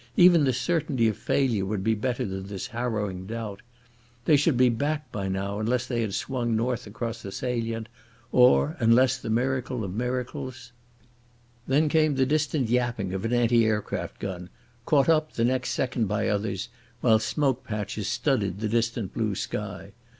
Even the certainty of failure would be better than this harrowing doubt. They should be back by now unless they had swung north across the salient, or unless the miracle of miracles— Then came the distant yapping of an anti aircraft gun, caught up the next second by others, while smoke patches studded the distant blue sky.